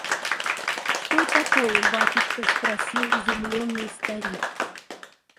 – Что такое, батюшка? – спросил изумленный старик.